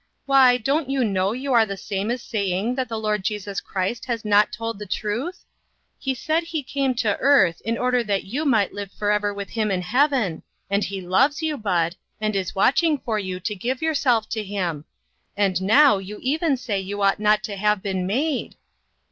Why, don't you know you are the same as saying that the Lord Jesus Christ has not told the truth ? He said he came to earth in order that you might live forever with him in heaven, and he loves you, Bud, and is watching for you to give yourself to him. And now, you even say you ought not to have been made